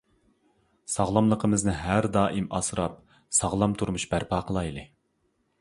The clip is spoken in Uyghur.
ساغلاملىقىمىزنى ھەر دائىم ئاسراپ، ساغلام تۇرمۇش بەرپا قىلايلى.